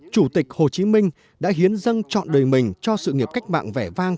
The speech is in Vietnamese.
chủ tịch hồ chí minh đã hiến dân chọn đời mình cho sự nghiệp cách mạng vẻ vang